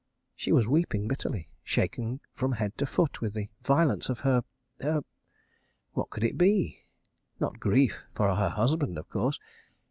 She was weeping bitterly, shaken from head to foot with the violence of her—her—what could it be? not grief for her husband of course.